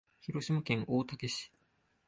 広島県大竹市